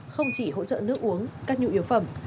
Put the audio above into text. không chỉ hỗ trợ nước uống các nhu yếu phẩm